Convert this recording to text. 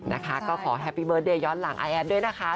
นะคะก็ขอแฮปปี้เบิร์เดย์ย้อนหลังอาแอดด้วยนะคะ